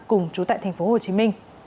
cùng trú tại tp hcm